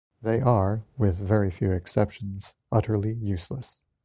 They are, with very few exceptions, utterly useless.